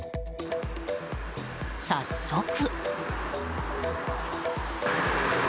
早速。